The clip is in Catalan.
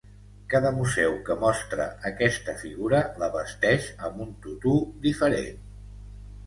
Cada museu que mostra aquesta figura la vesteix amb un tutú diferent.